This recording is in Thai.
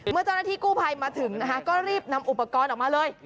เมื่อเจ้าหน้าที่กู้ภัยมาถึงนะคะก็รีบนำอุปกรณ์ออกมาเลย